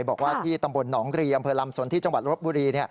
บอกว่าที่ตำบลหนองรีอำเภอลำสนที่จังหวัดรบบุรี